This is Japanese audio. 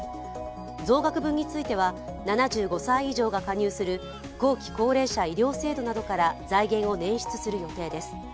増額分については、７５歳以上が加入する後期高齢者医療制度などから財源を捻出する予定です。